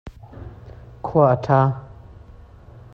Khua a ṭha.